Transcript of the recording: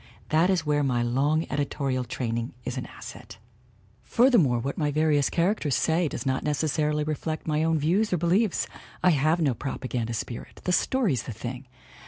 That is where my long editorial training is an asset. "Furthermore, what my various characters say does not necessarily reflect my own views or beliefs I have no propaganda spirit the story's the thing.